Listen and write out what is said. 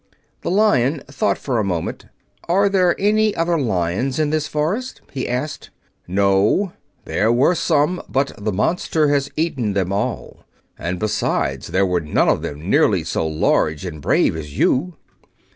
The Lion thought for a moment. "Are there any other lions in this forest?" he asked. "No; there were some, but the monster has eaten them all. And, besides, they were none of them nearly so large and brave as you."